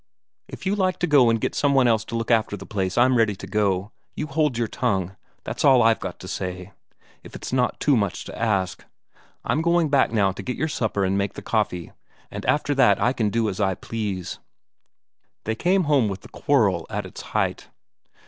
If you like to go and get some one else to look after the place, I'm ready to go. You hold your tongue, that's all I've got to say, if it's not too much to ask. I'm going back now to get your supper and make the coffee, and after that I can do as I please." They came home with the quarrel at its height.